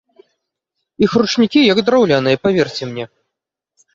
Іх ручнікі як драўляныя, паверце мне.